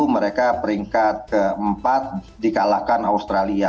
dua ribu dua puluh mereka peringkat keempat dikalahkan australia